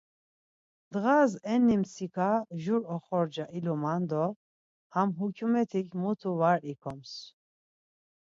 Dğaz enni mtsika jur oxorca iluman do ham hukyumetik mutu var ikoms.